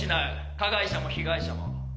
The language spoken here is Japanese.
加害者も被害者も。